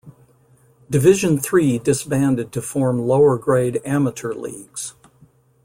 Division Three disbanded to form lower grade Amateur Leagues.